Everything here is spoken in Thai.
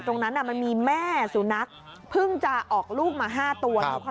ตรงนั้นอ่ะมันมีแม่สูนักพึ่งจะออกลูกมาห้าตัวโห